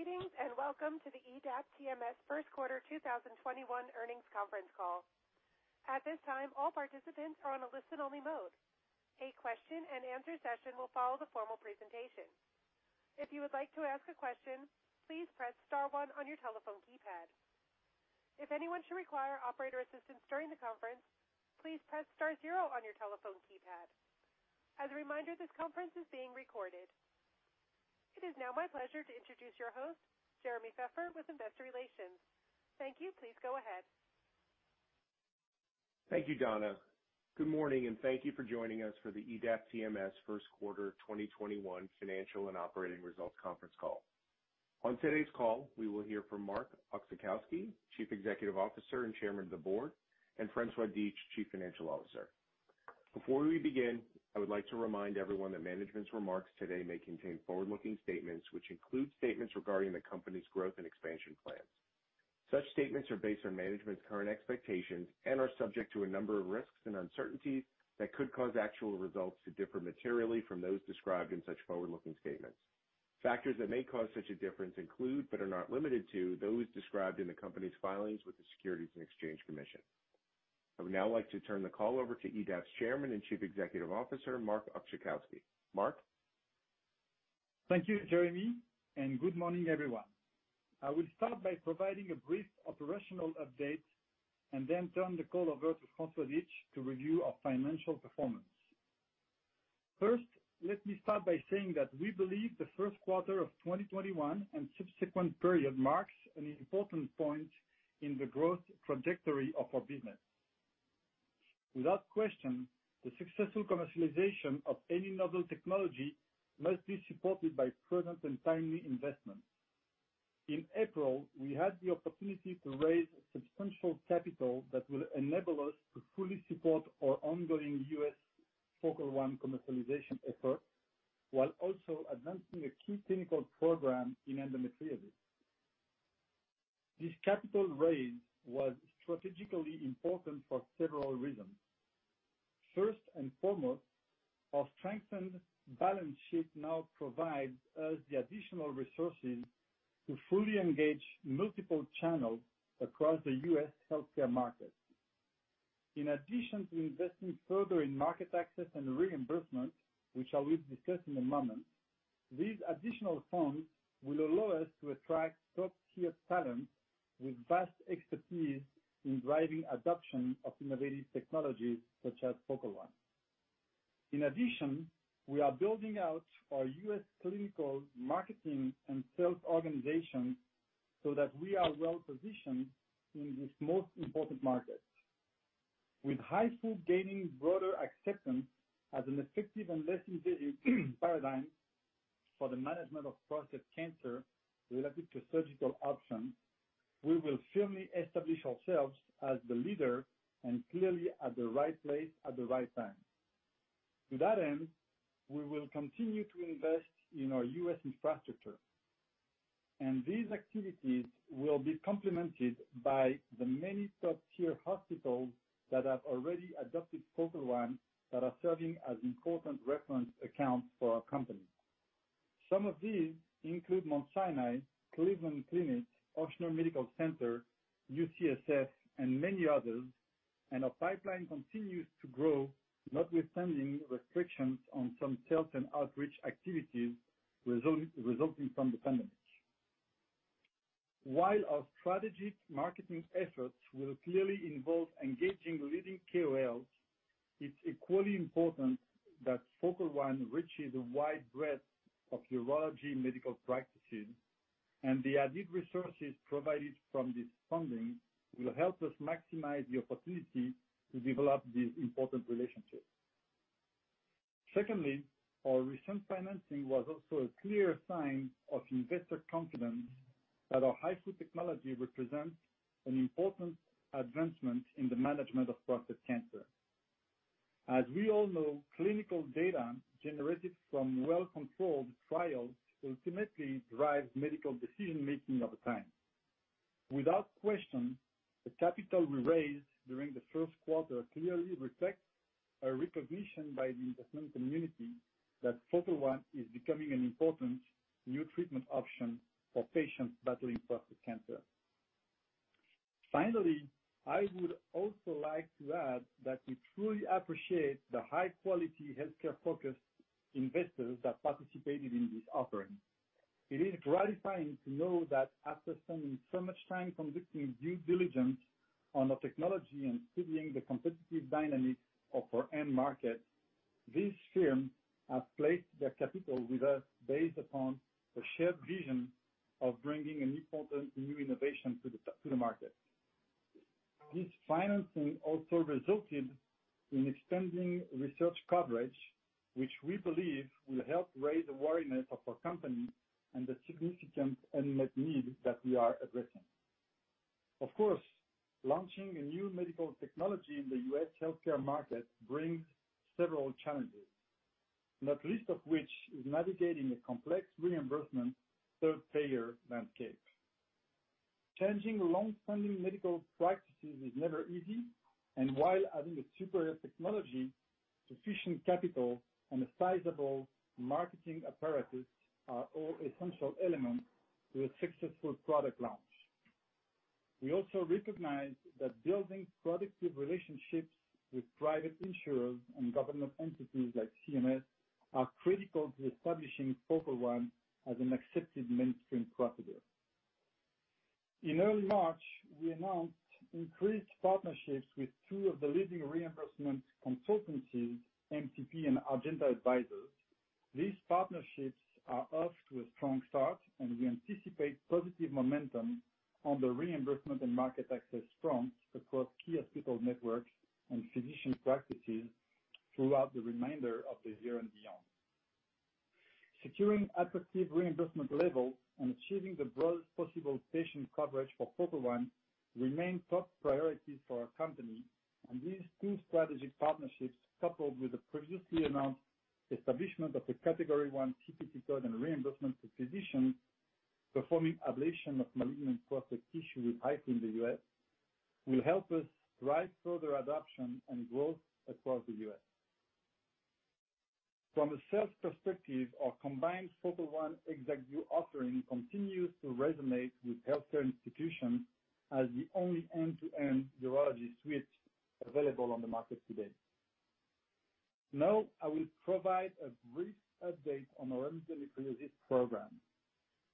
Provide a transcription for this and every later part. Greetings, welcome to the EDAP TMS First Quarter 2021 Earnings Conference Call. At this time all participants are on listen-only mode. A question and answer session will follow the formal presentation. If you would like to ask a question, please press star on your telephone keypad. If anyone should require operator assistance during the conference, please press star zero on your telephone keypad. As a reminder, this conference is being recorded. It is now my pleasure to introduce your host, Jeremy Feffer, with Investor Relations. Thank you. Please go ahead. Thank you, Donna. Good morning, and thank you for joining us for the EDAP TMS First Quarter 2021 Financial and Operating Results Conference Call. On today's call, we will hear from Marc Oczachowski, Chief Executive Officer and Chairman of the Board, and Francois Dietsch, Chief Financial Officer. Before we begin, I would like to remind everyone that management's remarks today may contain forward-looking statements, which include statements regarding the company's growth and expansion plans. Such statements are based on management's current expectations and are subject to a number of risks and uncertainties that could cause actual results to differ materially from those described in such forward-looking statements. Factors that may cause such a difference include, but are not limited to, those described in the company's filings with the Securities and Exchange Commission. I would now like to turn the call over to EDAP's Chairman and Chief Executive Officer, Marc Oczachowski. Marc? Thank you, Jeremy Feffer, and good morning, everyone. I will start by providing a brief operational update and then turn the call over to Francois Dietsch to review our financial performance. First, let me start by saying that we believe the first quarter of 2021 and subsequent period marks an important point in the growth trajectory of our business. Without question, the successful commercialization of any novel technology must be supported by prudent and timely investments. In April, we had the opportunity to raise substantial capital that will enable us to fully support our ongoing U.S. Focal One commercialization effort, while also advancing a key clinical program in endometriosis. This capital raise was strategically important for several reasons. First and foremost, our strengthened balance sheet now provides us the additional resources to fully engage multiple channels across the U.S. healthcare market. In addition to investing further in market access and reimbursement, which I will discuss in a moment, these additional funds will allow us to attract top-tier talent with vast expertise in driving adoption of innovative technologies such as Focal One. In addition, we are building out our U.S. clinical marketing and sales organization so that we are well-positioned in this most important market. With HIFU gaining broader acceptance as an effective and less invasive paradigm for the management of prostate cancer relative to surgical options, we will firmly establish ourselves as the leader and clearly at the right place at the right time. To that end, we will continue to invest in our U.S. infrastructure, and these activities will be complemented by the many top-tier hospitals that have already adopted Focal One that are serving as important reference accounts for our company. Some of these include Mount Sinai, Cleveland Clinic, Ochsner Medical Center, UCSF, and many others, and our pipeline continues to grow, notwithstanding restrictions on some sales and outreach activities resulting from the pandemic. While our strategic marketing efforts will clearly involve engaging leading KOLs, it's equally important that Focal One reaches a wide breadth of urology medical practices, and the added resources provided from this funding will help us maximize the opportunity to develop these important relationships. Secondly, our recent financing was also a clear sign of investor confidence that our HIFU technology represents an important advancement in the management of prostate cancer. As we all know, clinical data generated from well-controlled trials ultimately drives medical decision-making over time. Without question, the capital we raised during the first quarter clearly reflects a recognition by the investment community that Focal One is becoming an important new treatment option for patients battling prostate cancer. Finally, I would also like to add that we truly appreciate the high-quality healthcare-focused investors that participated in this offering. It is gratifying to know that after spending so much time conducting due diligence on our technology and studying the competitive dynamics of our end market, these firms have placed their capital with us based upon a shared vision of bringing an important new innovation to the market. This financing also resulted in extending research coverage, which we believe will help raise awareness of our company and the significant unmet need that we are addressing. Of course, launching a new medical technology in the U.S. healthcare market brings several challenges, not least of which is navigating a complex reimbursement third-payer landscape. Changing long-standing medical practices is never easy, and while having a superior technology, sufficient capital, and a sizable marketing apparatus are all essential elements to a successful product launch. We also recognize that building productive relationships with private insurers and government entities like CMS are critical to establishing Focal One as an accepted mainstream procedure. In early March, we announced increased partnerships with two of the leading reimbursement consultancies, MTP and Argenta Advisors. These partnerships are off to a strong start, and we anticipate positive momentum on the reimbursement and market access front across key hospital networks and physician practices throughout the remainder of the year and beyond. Securing attractive reimbursement levels and achieving the broadest possible patient coverage for Focal One remain top priorities for our company. These two strategic partnerships, coupled with the previously announced establishment of a Category I CPT code and reimbursement to physicians performing ablation of malignant prostate tissue with HIFU in the U.S., will help us drive further adoption and growth across the U.S. From a sales perspective, our combined Focal One ExactVu offering continues to resonate with healthcare institutions as the only end-to-end urology suite available on the market today. Now, I will provide a brief update on our endometriosis program.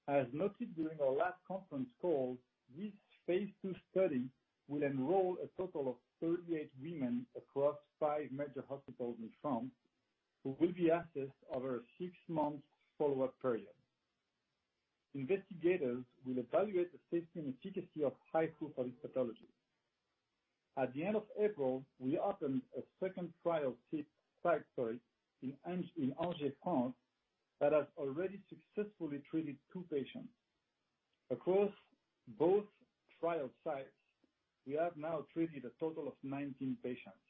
As noted during our last conference call, this phase II study will enroll a total of 38 women across five major hospitals in France, who will be assessed over a six-month follow-up period. Investigators will evaluate the safety and efficacy of HIFU for this pathology. At the end of April, we opened a second trial site in Angers, France, that has already successfully treated two patients. Across both trial sites, we have now treated a total of 19 patients.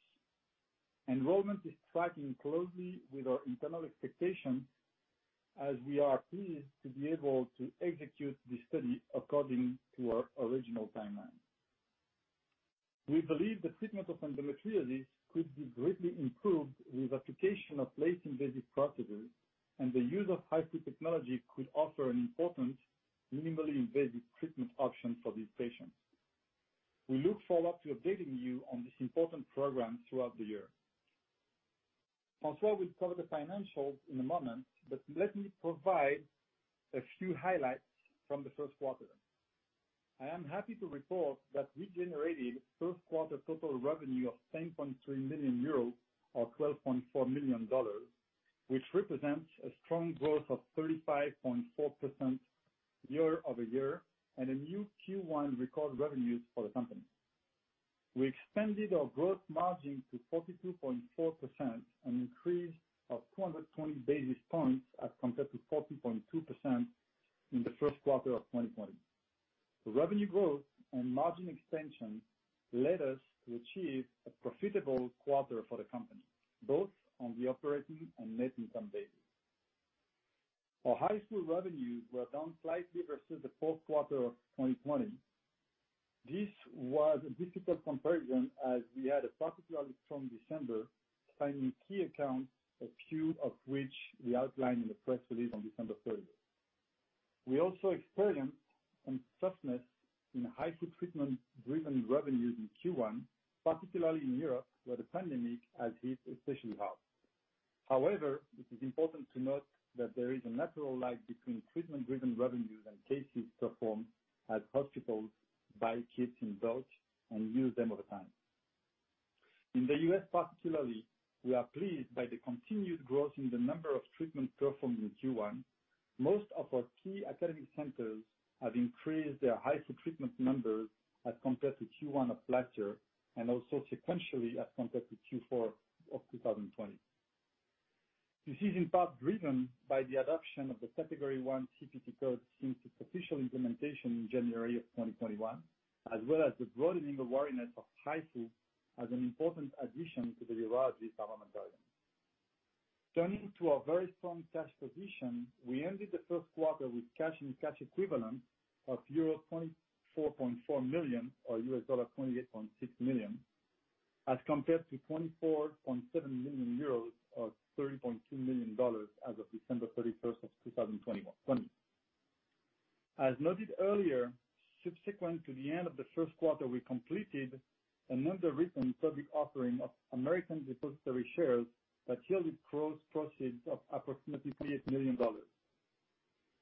Enrollment is tracking closely with our internal expectations, as we are pleased to be able to execute the study according to our original timeline. We believe the treatment of endometriosis could be greatly improved with application of less invasive procedures, and the use of HIFU technology could offer an important minimally invasive treatment option for these patients. We look forward to updating you on this important program throughout the year. Francois will cover the financials in a moment, but let me provide a few highlights from the first quarter. I am happy to report that we generated first quarter total revenue of 10.3 million euros or $12.4 million, which represents a strong growth of 35.4% year-over-year and a new Q1 record revenue for the company. We expanded our gross margin to 42.4%, an increase of 220 basis points as compared to 40.2% in the first quarter of 2020. The revenue growth and margin expansion led us to achieve a profitable quarter for the company, both on the operating and net income basis. Our HIFU revenues were down slightly versus the fourth quarter of 2020. This was a difficult comparison as we had a particularly strong December signing key accounts, a few of which we outlined in the press release on December 30th. We also experienced some toughness in HIFU treatment-driven revenues in Q1, particularly in Europe, where the pandemic has hit especially hard. However, it is important to note that there is a natural lag between treatment-driven revenues and cases performed at hospitals by kits installed and used over time. In the U.S. particularly, we are pleased by the continued growth in the number of treatments performed in Q1. Most of our key academic centers have increased their HIFU treatment numbers as compared to Q1 of last year and also sequentially as compared to Q4 of 2020. This is in part driven by the adoption of the Category I CPT code since its official implementation in January of 2021, as well as the broadening awareness of HIFU as an important addition to the urology armamentarium. Turning to our very strong cash position, we ended the first quarter with cash and cash equivalents of euro 24.4 million or $28.6 million as compared to 24.7 million euros or $30.2 million as of December 31st of 2020. As noted earlier, subsequent to the end of the first quarter, we completed an underwritten public offering of American depository shares that yielded gross proceeds of approximately $28 million.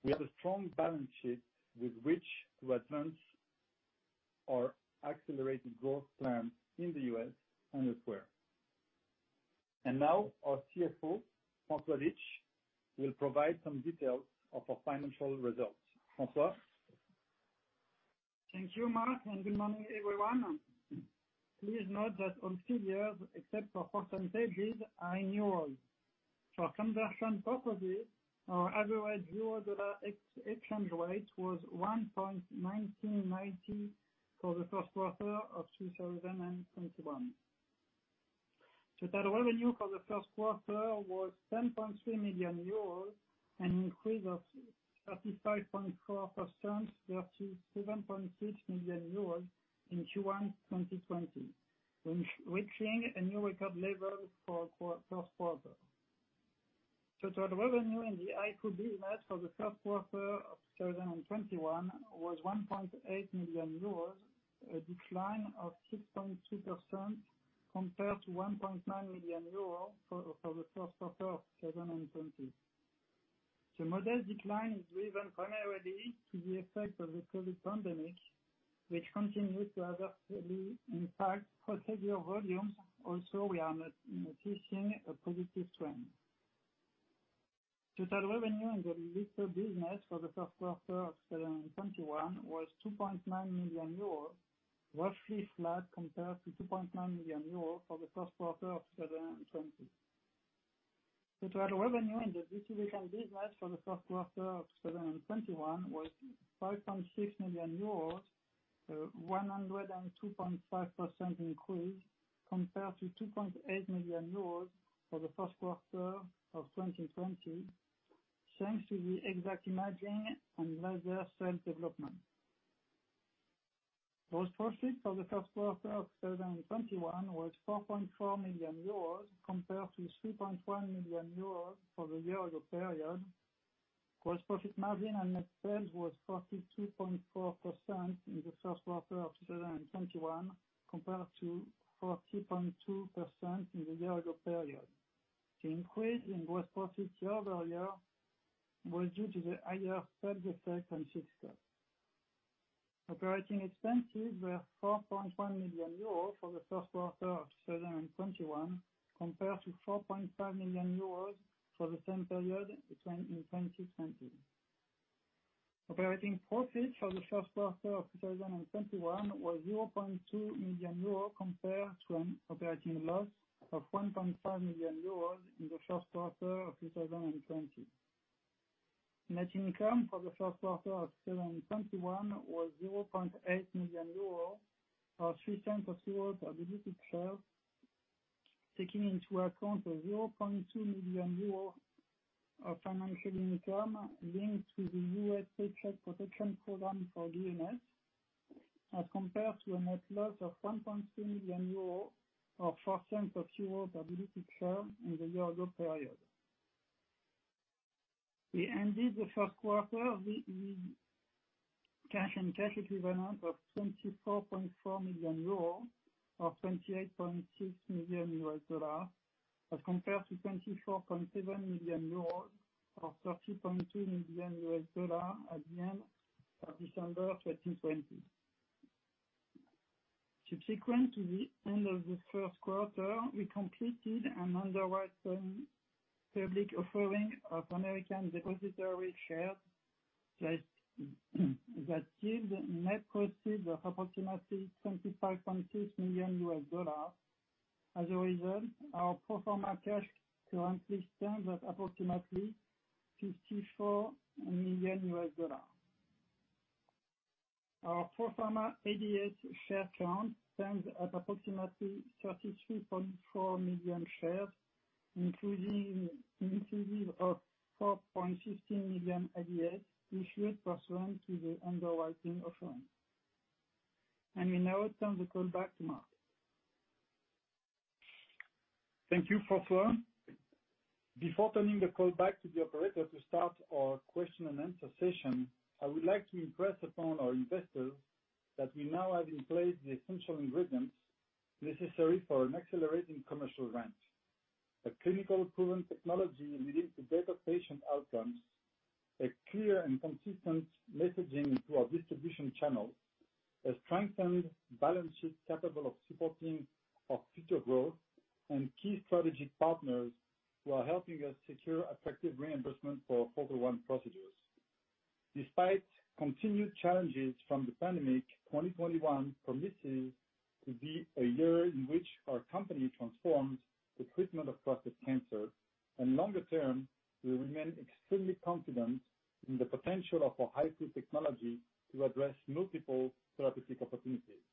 We have a strong balance sheet with which to advance our accelerated growth plan in the U.S. and elsewhere. Our CFO, Francois Dietsch, will provide some details of our financial results. Francois? Thank you, Marc, and good morning, everyone. Please note that all figures except for percentages are in euros. For conversion purposes, our average euro to U.S. dollar exchange rate was 1.1990 for the first quarter of 2021. Total revenue for the first quarter was 10.3 million euros, an increase of 35.4% to 7.6 million euros in Q1 2020, reaching a new record level for first quarter. Total revenue in the HIFU business for the first quarter of 2021 was 1.8 million euros, a decline of 6.2% compared to 1.9 million euros for the first quarter of 2020. The modest decline is driven primarily to the effect of the COVID pandemic, which continues to adversely impact procedural volumes. Also we are not witnessing a positive trend. Total revenue in the UDS business for the first quarter of 2021 was 2.9 million euros, roughly flat compared to 2.9 million euros for the first quarter of 2020. Total revenue in the distribution business for the first quarter of 2021 was 5.6 million euros, a 102.5% increase compared to 2.8 million euros for the first quarter of 2020, thanks to the ExactVu imaging and laser sales development. Gross profit for the first quarter of 2021 was 4.4 million euros compared to 3.1 million euros for the year-ago period. Gross profit margin on net sales was 42.4% in the first quarter of 2021 compared to 40.2% in the year-ago period. The increase in gross profit year-over-year was due to the higher sales effect on system. Operating expenses were 4.1 million euros for the first quarter of 2021 compared to 4.5 million euros for the same period in 2020. Operating profit for the first quarter of 2021 was 0.2 million euro compared to an operating loss of 1.5 million euros in the first quarter of 2020. Net income for the first quarter of 2021 was 0.8 million euros or 0.03 per diluted share, taking into account a 0.2 million euro of financial income linked to the U.S. Paycheck Protection Program for UDS, as compared to a net loss of 1.2 million euro or 0.04 euro per diluted share in the year ago period. We ended the first quarter with cash and cash equivalents of 24.4 million euros or $28.6 million as compared to 24.7 million euros or $30.2 million at the end of December 2020. Subsequent to the end of the first quarter, we completed an underwritten public offering of American depository shares that gave net proceeds of approximately $25.6 million. As a result, our pro forma cash currently stands at approximately $54 million. Our pro forma ADS share count stands at approximately 33.4 million shares, an increase of 4.16 million ADS issued pursuant to the underwriting offering. We now turn the call back to Marc. Thank you, Francois. Before turning the call back to the operator to start our question and answer session, I would like to impress upon our investors that we now have in place the essential ingredients necessary for an accelerating commercial ramp. A clinical proven technology leading to better patient outcomes, a clear and consistent messaging through our distribution channels, a strengthened balance sheet capable of supporting our future growth, and key strategic partners who are helping us secure effective reimbursement for Focal One procedures. Despite continued challenges from the pandemic, 2021 promises to be a year in which our company transforms the treatment of prostate cancer. Longer term, we remain extremely confident in the potential of our HIFU technology to address multiple therapeutic opportunities.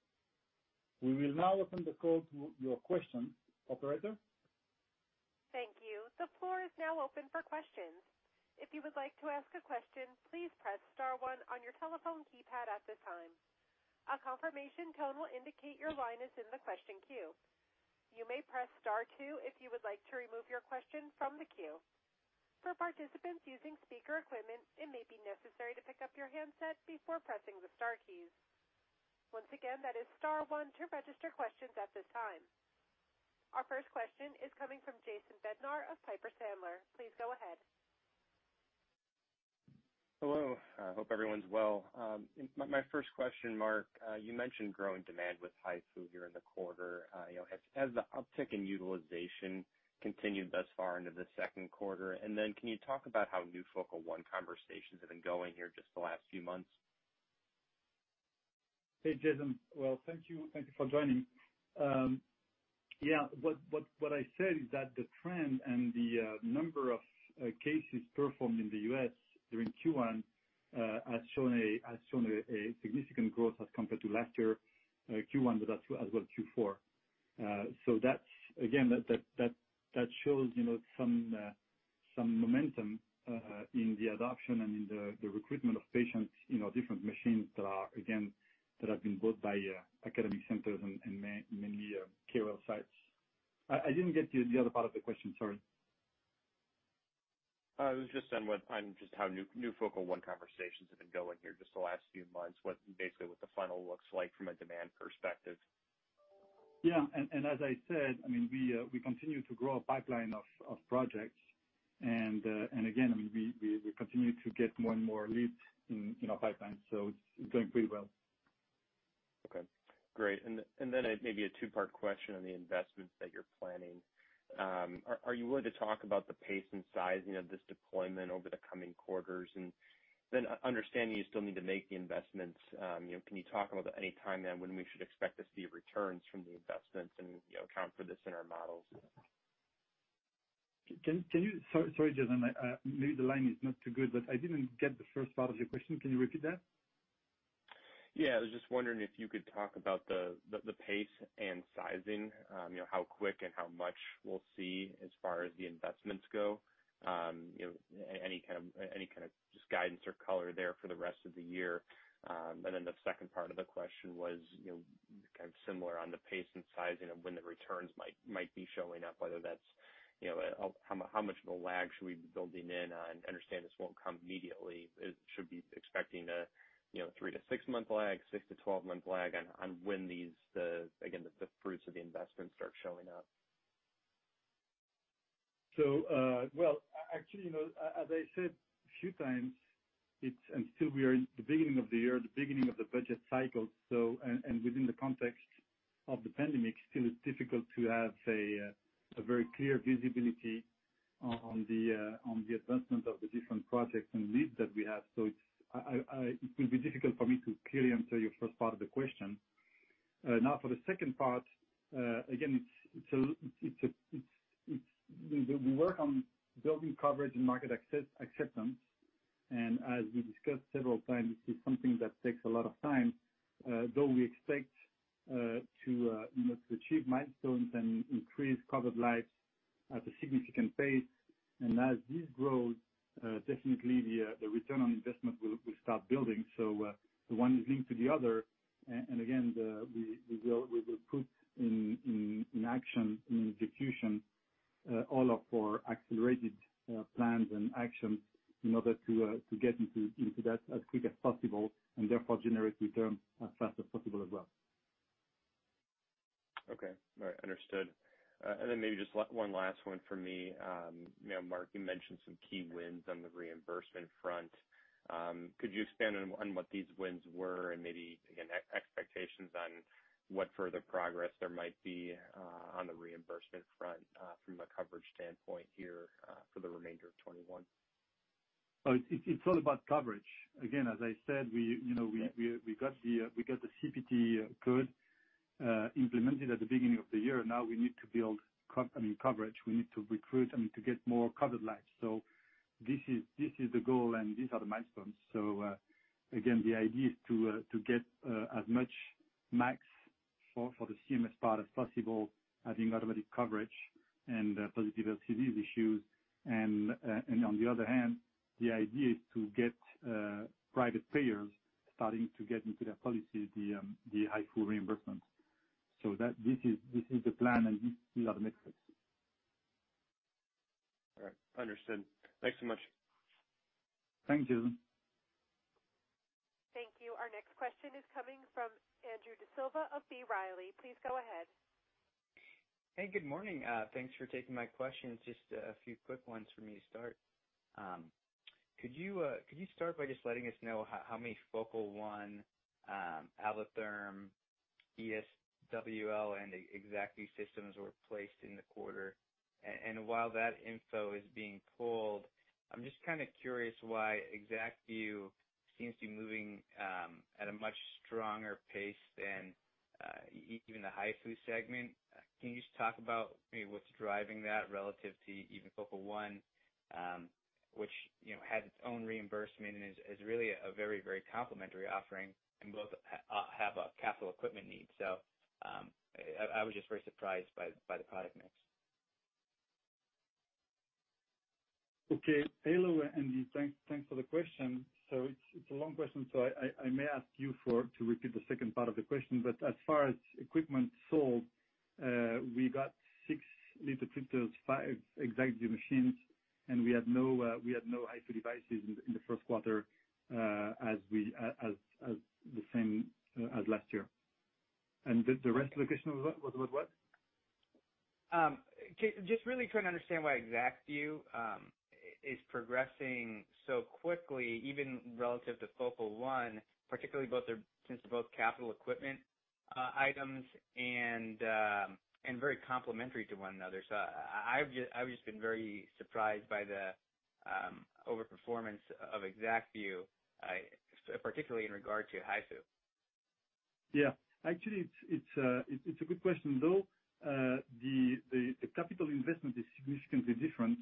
We will now open the call to your questions. Operator? Thank you. The floor is now open for questions. If you would like to ask a question, please press star one on your telephone keypad at this time. A confirmation tone will indicate your line is in the question queue. You may press star two if you would like to remove your question from the queue. For participants using speaker equipment, it may be necessary to pick up your handset before pressing the star keys. Once again, that is star one to register questions at this time. Our first question is coming from Jason Bednar of Piper Sandler. Please go ahead. Hello. I hope everyone's well. My first question, Marc, you mentioned growing demand with HIFU here in the quarter. Has the uptick in utilization continued thus far into the second quarter? Then can you talk about how new Focal One conversations have been going here just the last few months? Hey, Jason. Well, thank you for joining. What I said is that the trend and the number of cases performed in the U.S. during Q1 has shown a significant growth as compared to last year, Q1 as well as Q4. That shows some momentum in the adoption and in the recruitment of patients, different machines that have been bought by academic centers and many KOL sites. I didn't get the other part of the question, sorry. It was just on just how new Focal One conversations have been going here just the last few months. Basically what the funnel looks like from a demand perspective. Yeah. As I said, we continue to grow a pipeline of projects. Again, we continue to get more and more leads in our pipeline, it's going pretty well. Okay, great. Maybe a two-part question on the investments that you're planning. Are you willing to talk about the pace and sizing of this deployment over the coming quarters? Understanding you still need to make the investments, can you talk about any time then when we should expect to see returns from the investments and account for this in our models? Sorry, Jason, maybe the line is not too good. I didn't get the first part of your question. Can you repeat that? Yeah. I was just wondering if you could talk about the pace and sizing, how quick and how much we'll see as far as the investments go. Any kind of just guidance or color there for the rest of the year. The second part of the question was, kind of similar on the pace and sizing of when the returns might be showing up, how much of a lag should we be building in on, understand this won't come immediately. It should be expecting a 3-6 month lag, 6-12 month lag on when the fruits of the investment start showing up. Well, actually, as I said a few times, still we are in the beginning of the year, the beginning of the budget cycle, within the context of the pandemic, still it's difficult to have, say, a very clear visibility on the advancement of the different projects and leads that we have. It will be difficult for me to clearly answer your first part of the question. Now for the second part, again, we work on building coverage and market acceptance, as we discussed several times, this is something that takes a lot the idea is to get private payers starting to get into their policy, the HIFU reimbursements. This is the plan, and these are the metrics. All right. Understood. Thanks so much. Thank you. Thank you. Our next question is coming from Andrew D'Silva of B. Riley. Please go ahead. Hey, good morning. Thanks for taking my questions. Just a few quick ones for me to start. Could you start by just letting us know how many Focal One, Ablatherm, ESWL, and ExactVu systems were placed in the quarter? While that info is being pulled, I'm just kind of curious why ExactVu seems to be moving at a much stronger pace than even the HIFU segment. Can you just talk about maybe what's driving that relative to even Focal One, which had its own reimbursement and is really a very complimentary offering, and both have a capital equipment need. I was just very surprised by the product mix. Hello, Andy, thanks for the question. It's a long question, so I may ask you to repeat the second part of the question, but as far as equipment sold, we got six lithotripters, five ExactVu machines, and we had no HIFU devices in the first quarter, the same as last year. The rest of the question was what? Really trying to understand why ExactVu is progressing so quickly, even relative to Focal One, particularly since they're both capital equipment items and very complementary to one another. I've just been very surprised by the overperformance of ExactVu, particularly in regard to HIFU. Yeah. Actually, it's a good question, though. The capital investment is significantly different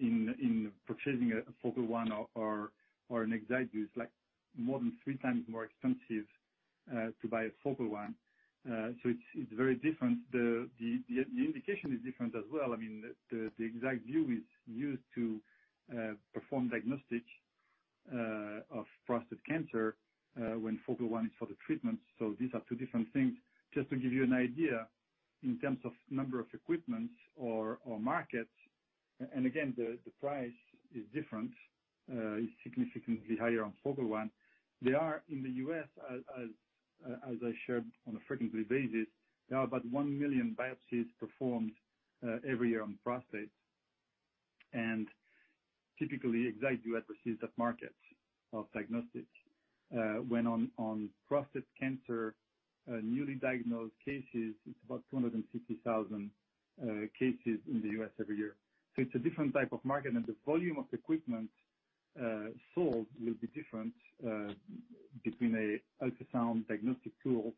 in purchasing a Focal One or an ExactVu, like more than three times more expensive to buy a Focal One. It's very different. The indication is different as well. I mean, the ExactVu is used to perform diagnostics of prostate cancer, when Focal One is for the treatment. These are two different things. Just to give you an idea, in terms of number of equipments or markets, and again, the price is different, is significantly higher on Focal One. They are in the U.S., as I shared on a frequently basis, there are about 1 million biopsies performed every year on prostate, and typically ExactVu addresses that market of diagnostics. When on prostate cancer, newly diagnosed cases, it's about 250,000 cases in the U.S. every year. It's a different type of market, and the volume of equipment sold will be different, between a ultrasound diagnostic tool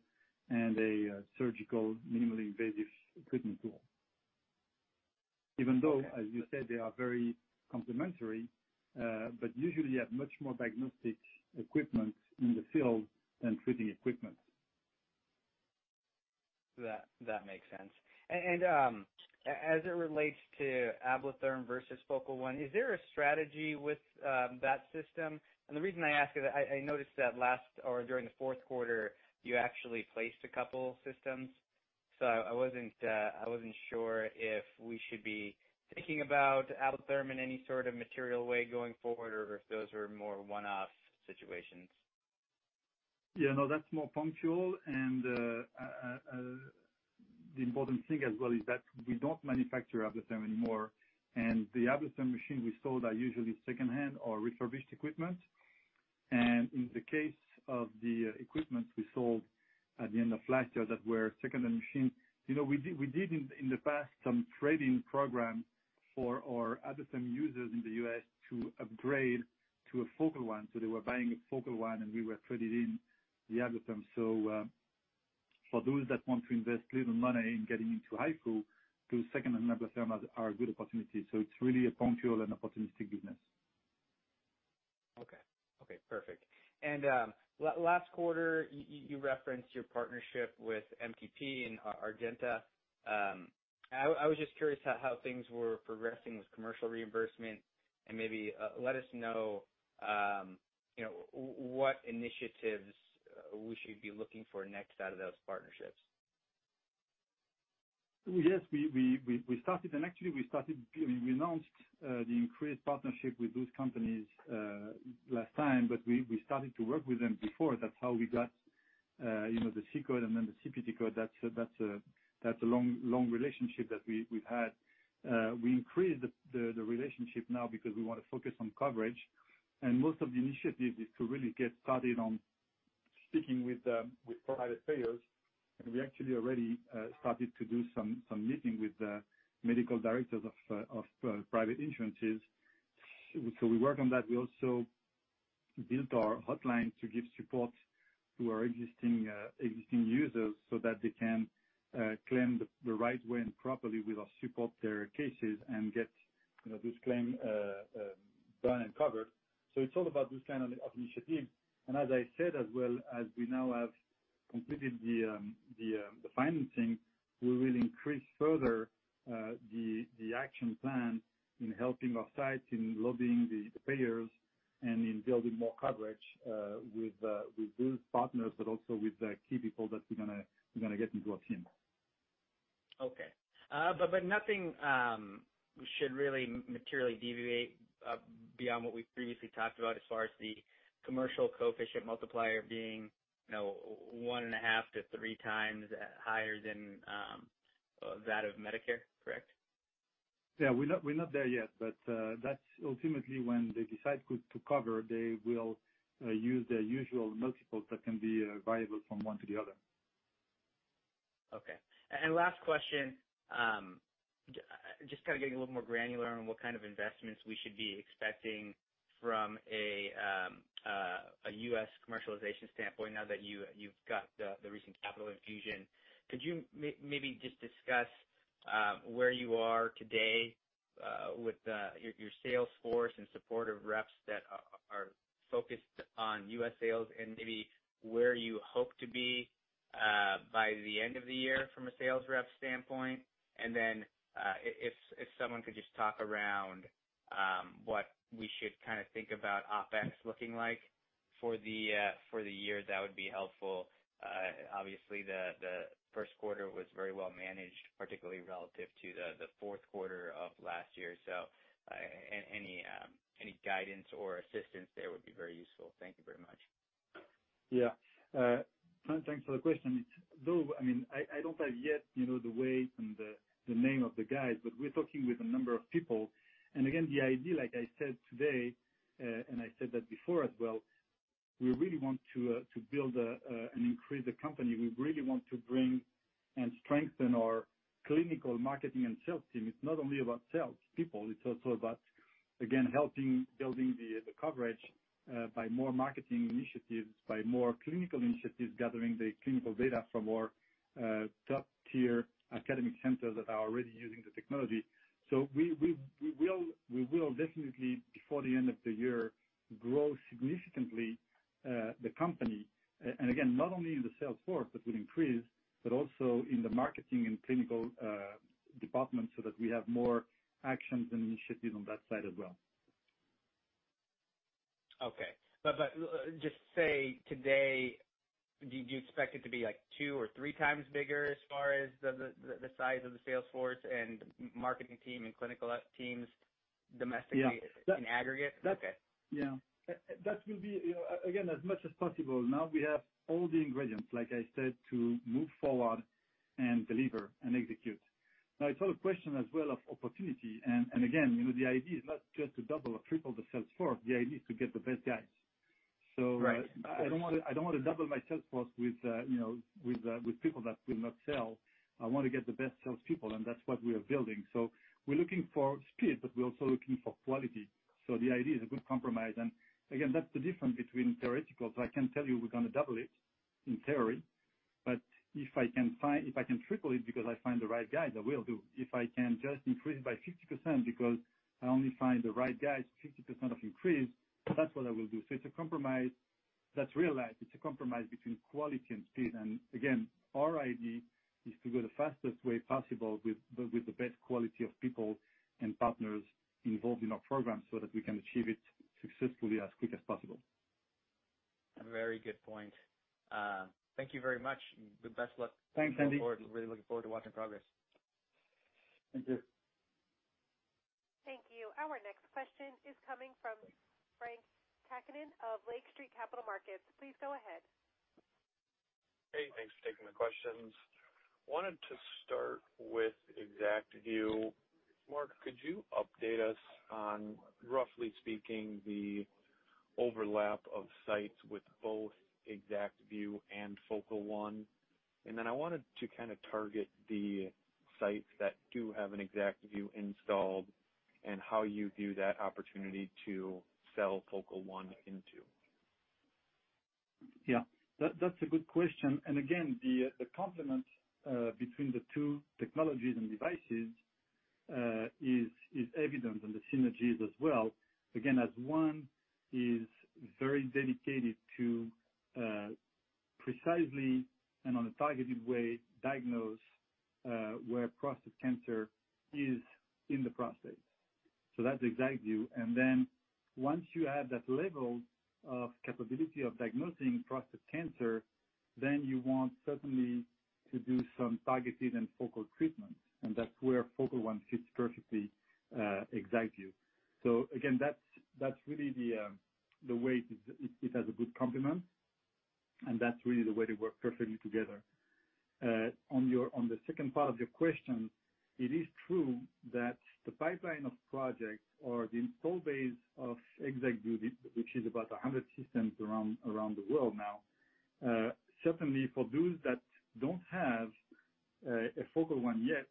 and a surgical minimally invasive equipment tool. Even though, as you said, they are very complementary, but usually you have much more diagnostic equipment in the field than treating equipment. That makes sense. As it relates to Ablatherm versus Focal One, is there a strategy with that system? The reason I ask is I noticed that last or during the fourth quarter, you actually placed a couple systems. I wasn't sure if we should be thinking about Ablatherm in any sort of material way going forward, or if those were more one-off situations. Yeah, no, that's more punctual. The important thing as well is that we don't manufacture Ablatherm anymore. The Ablatherm machine we sold are usually secondhand or refurbished equipment. In the case of the equipment we sold at the end of last year that were secondhand machines. We did in the past some trading program for our Ablatherm users in the U.S. to upgrade to a Focal One. They were buying a Focal One, and we were trading in the Ablatherm. For those that want to invest little money in getting into HIFU, those secondhand Ablatherm are a good opportunity. It's really a punctual and opportunistic business. Okay. Perfect. Last quarter, you referenced your partnership with MTP and Argenta. I was just curious how things were progressing with commercial reimbursement and maybe, let us know what initiatives we should be looking for next out of those partnerships. Yes, we started. Actually we announced the increased partnership with those companies last time. We started to work with them before. That's how we got the C-code and then the CPT code. That's a long relationship that we've had. We increased the relationship now because we want to focus on coverage. Most of the initiative is to really get started on speaking with private payers. We actually already started to do some meeting with the medical directors of private insurances. We work on that. We also built our hotline to give support to our existing users so that they can claim the right way and properly. We will support their cases and get this claim done and covered. It's all about this kind of initiative. As I said, as well as we now have completed the financing, we will increase further the action plan in helping our sites, in lobbying the payers, and in building more coverage with those partners, but also with the key people that we're going to get into our team. Okay. Nothing should really materially deviate beyond what we previously talked about as far as the commercial coefficient multiplier being one and a half to three times higher than that of Medicare, correct? We're not there yet, but that's ultimately when they decide to cover, they will use their usual multiples that can be variable from one to the other. Okay. Last question, just kind of getting a little more granular on what kind of investments we should be expecting from a U.S. commercialization standpoint now that you've got the recent capital infusion. Could you maybe just discuss where you are today with your sales force and supportive reps that are focused on U.S. sales? Maybe where you hope to be by the end of the year from a sales rep standpoint? Then, if someone could just talk around what we should kind of think about OpEx looking like for the year, that would be helpful. Obviously, the first quarter was very well managed, particularly relative to the fourth quarter of last year. Any guidance or assistance there would be very useful. Thank you very much. Yeah. Thanks for the question. I don't have yet the way and the name of the guys, we're talking with a number of people. Again, the idea, like I said today, and I said that before as well, we really want to build and increase the company. We really want to strengthen our clinical marketing and sales team. It's not only about sales people, it's also about, again, helping building the coverage by more marketing initiatives, by more clinical initiatives, gathering the clinical data from our top-tier academic centers that are already using the technology. We will definitely, before the end of the year, grow significantly the company. Again, not only in the sales force, that will increase, but also in the marketing and clinical departments so that we have more actions and initiatives on that side as well. Okay. Just say today, do you expect it to be two or three times bigger as far as the size of the sales force and marketing team and clinical teams domestically- Yeah. in aggregate? That- Okay. Yeah. That will be, again, as much as possible. Now we have all the ingredients, like I said, to move forward and deliver and execute. Now it's all a question as well of opportunity. Again, the idea is not just to double or triple the sales force. The idea is to get the best guys. Right. I don't want to double my sales force with people that will not sell. I want to get the best salespeople, and that's what we are building. We're looking for speed, but we're also looking for quality. The idea is a good compromise. Again, that's the difference between theoreticals. I can tell you we're going to double it in theory, but if I can triple it because I find the right guys, I will do. If I can just increase by 50% because I only find the right guys, 50% of increase, that's what I will do. It's a compromise that's realized. It's a compromise between quality and speed. Again, our idea is to go the fastest way possible with the best quality of people and partners involved in our program so that we can achieve it successfully as quick as possible. A very good point. Thank you very much and good best luck. Thanks, Andy. Really looking forward to watching progress. Thank you. Thank you. Our next question is coming from Frank Takkinen of Lake Street Capital Markets. Please go ahead. Hey, thanks for taking the questions. I wanted to start with ExactVu. Marc, could you update us on, roughly speaking, the overlap of sites with both ExactVu and Focal One? I wanted to target the sites that do have an ExactVu installed and how you view that opportunity to sell Focal One into. That's a good question. The complement between the two technologies and devices is evident, and the synergies as well. As one is very dedicated to precisely, and on a targeted way, diagnose where prostate cancer is in the prostate. That's ExactVu. Then once you have that level of capability of diagnosing prostate cancer, then you want certainly to do some targeted and focal treatment. That's where Focal One fits perfectly ExactVu. Again, that's really the way it has a good complement and that's really the way they work perfectly together. On the second part of your question, it is true that the pipeline of projects or the install base of ExactVu, which is about 100 systems around the world now. Certainly for those that don't have a Focal One yet,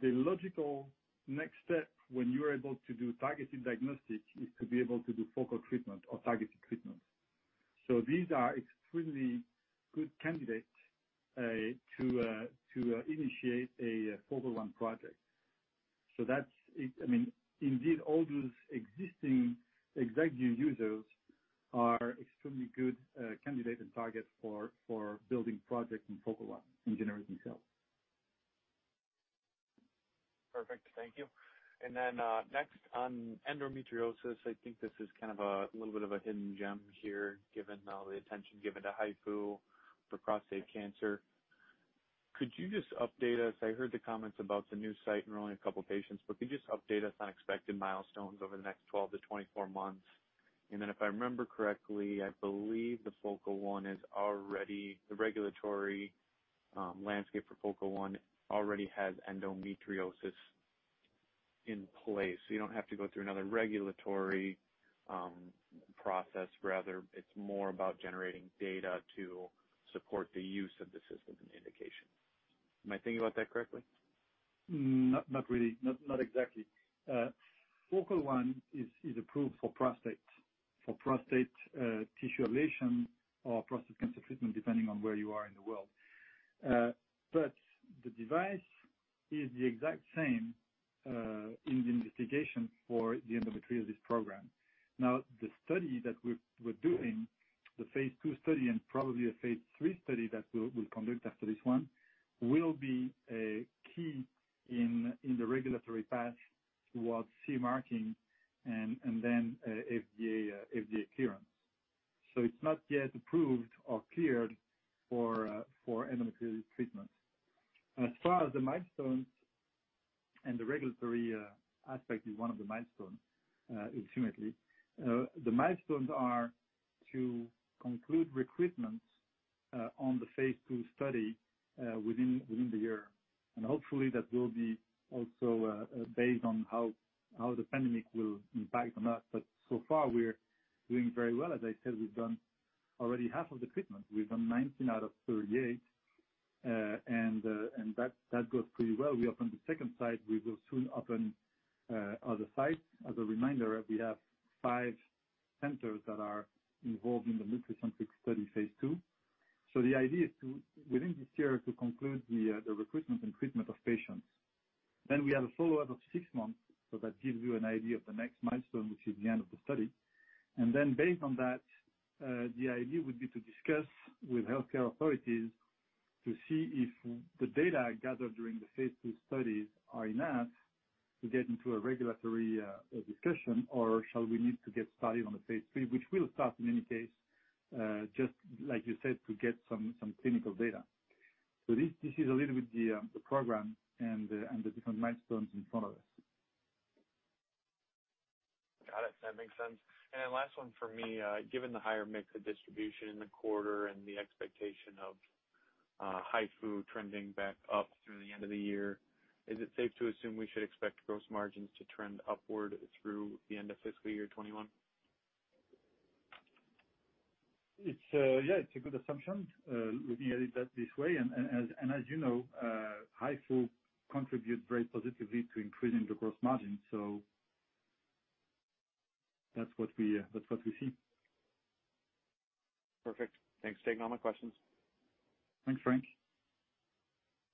the logical next step when you are able to do targeted diagnostics is to be able to do focal treatment or targeted treatment. These are extremely good candidates to initiate a Focal One project. Indeed, all those existing ExactVu users are extremely good candidates and targets for building projects in Focal One in general themselves. Perfect. Thank you. Next on endometriosis, I think this is a little bit of a hidden gem here, given all the attention given to HIFU for prostate cancer. Could you just update us? I heard the comments about the new site enrolling a couple patients, but could you just update us on expected milestones over the next 12-24 months? If I remember correctly, I believe the regulatory landscape for Focal One already has endometriosis in place. You don't have to go through another regulatory process. Rather, it's more about generating data to support the use of the system and indication. Am I thinking about that correctly? Not really. Not exactly. Focal One is approved for prostate tissue ablation or prostate cancer treatment, depending on where you are in the world. The device is the exact same in the investigation for the endometriosis program. The study that we're doing, the phase II study and probably a phase III study that we'll conduct after this one, will be a key in the regulatory path towards CE marking and then FDA clearance. It's not yet approved or cleared Yeah, it's a good assumption. Looking at it that this way, as you know, HIFU contribute very positively to increasing the gross margin. That's what we see. Perfect. Thanks. Taken all my questions. Thanks, Frank.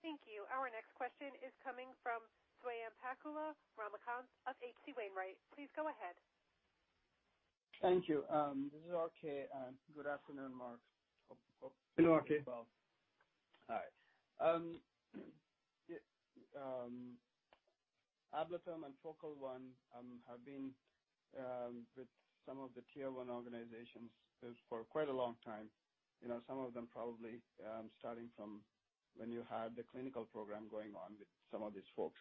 Thank you. Our next question is coming from Swayampakula Ramakanth of H.C. Wainwright. Please go ahead. Thank you. This is R.K. Good afternoon, Marc. Hello, R.K. All right. Ablatherm and Focal One have been with some of the Tier 1 organizations for quite a long time. Some of them probably starting from when you had the clinical program going on with some of these folks.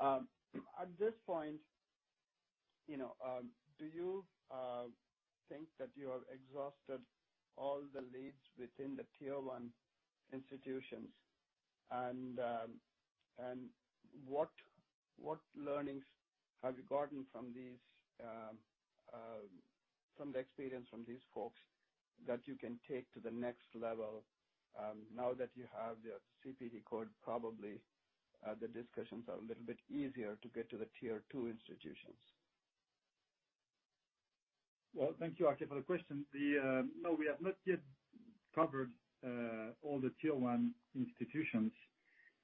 At this point, do you think that you have exhausted all the leads within the Tier 1 institutions and what learnings have you gotten from the experience from these folks that you can take to the next level now that you have the CPT code probably the discussions are a little bit easier to get to the Tier 2 institutions? Well, thank you, R.K., for the question. We have not yet covered all the tier one institutions.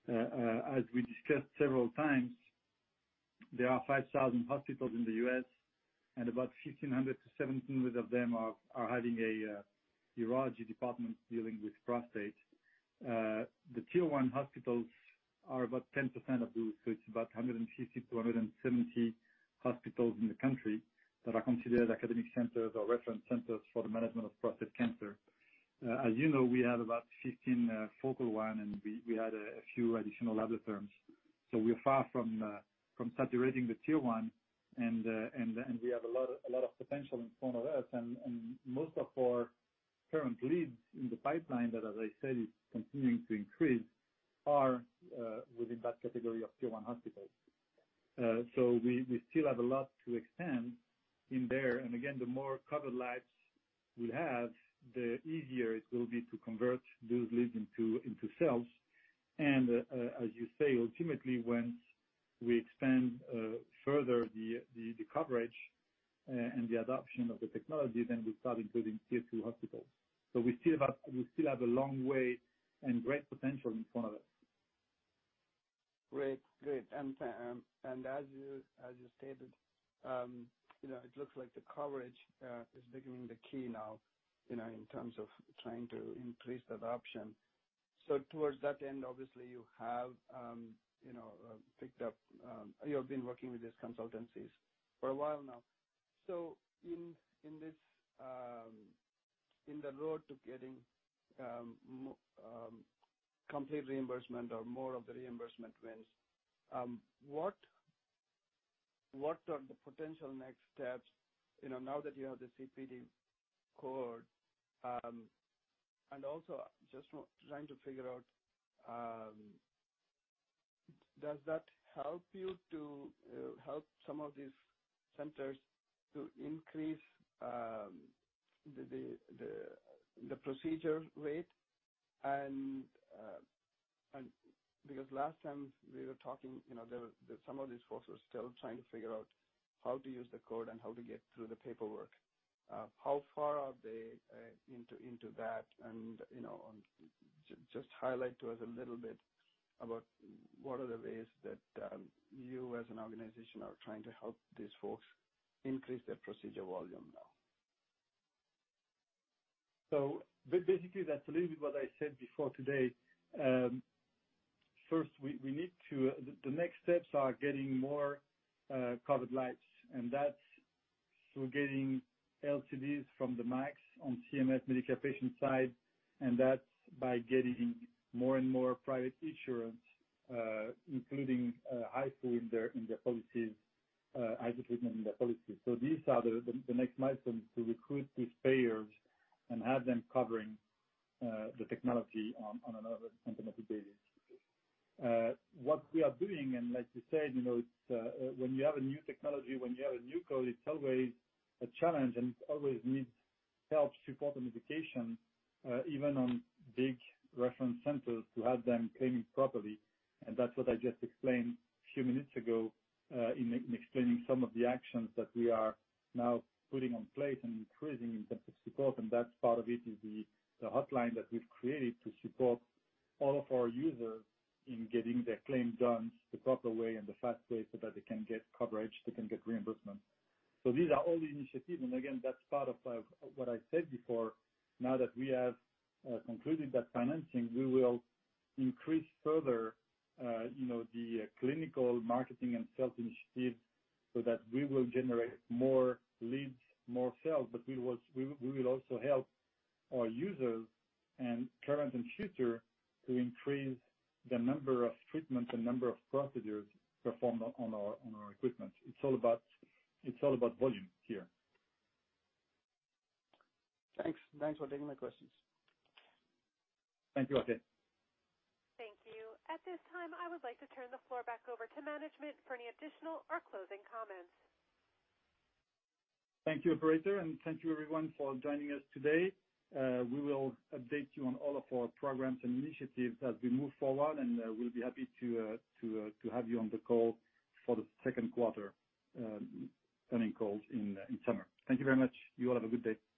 As we discussed several times, there are 5,000 hospitals in the U.S., about 1,500-1,700 of them are having a urology department dealing with prostate. The Tier 1 hospitals are about 10% of those, it's about 150-170 hospitals in the country that are considered academic centers or reference centers for the management of prostate cancer. As you know, we have about 15 Focal One, we had a few additional Ablatherms. We're far from saturating the Tier 1, and we have a lot of potential in front of us. Most of our current leads in the pipeline that, as I said, is continuing to increase, are within that category of Tier 1 hospitals. We still have a lot to expand in there. Again, the more covered lives we have, the easier it will be to convert those leads into sales. As you say, ultimately, once we expand further the coverage and the adoption of the technology, then we start including Tier 2 hospitals. We still have a long way and great potential in front of us. Great. As you stated, it looks like the coverage is becoming the key now in terms of trying to increase adoption. Towards that end, obviously, you have been working with these consultancies for a while now. In the road to getting complete reimbursement or more of the reimbursement wins, what are the potential next steps now that you have the CPT code? Also, just trying to figure out, does that help you to help some of these centers to increase the procedure rate? Because last time we were talking, some of these folks were still trying to figure out how to use the code and how to get through the paperwork. How far are they into that? Just highlight to us a little bit about what are the ways that you as an organization are trying to help these folks increase their procedure volume now. Basically, that's a little bit what I said before today. First, the next steps are getting more covered lives, and that's through getting LCDs from the MACs on CMS Medicare patient side. That's by getting more and more private insurance, including HIFU in their policies, HIFU treatment in their policies. These are the next milestones to recruit these payers and have them covering the technology on another fundamental basis. What we are doing, and like you said, when you have a new technology, when you have a new code, it's always a challenge, and it always needs help, support, and education, even on big reference centers to have them claiming properly. That's what I just explained a few minutes ago in explaining some of the actions that we are now putting in place and increasing in terms of support. That's part of it, is the hotline that we've created to support all of our users in getting their claim done the proper way and the fast way so that they can get coverage, they can get reimbursement. These are all the initiatives, and again, that's part of what I said before. Now that we have concluded that financing, we will increase further the clinical marketing and sales initiatives so that we will generate more leads, more sales, but we will also help our users and current and future to increase the number of treatments, the number of procedures performed on our equipment. It's all about volume here. Thanks. Thanks for taking my questions. Thank you, R.K. Thank you. At this time, I would like to turn the floor back over to management for any additional or closing comments. Thank you, operator, and thank you everyone for joining us today. We will update you on all of our programs and initiatives as we move forward, and we'll be happy to have you on the call for the second quarter earnings calls in summer. Thank you very much. You all have a good day.